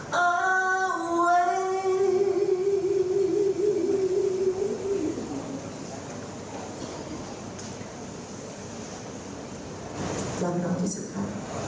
รักน้องที่สุขค่ะ